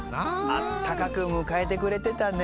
あったかく迎えてくれてたね。